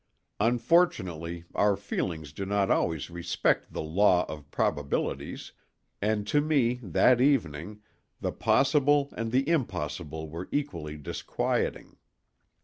Unfortunately, our feelings do not always respect the law of probabilities, and to me that evening, the possible and the impossible were equally disquieting.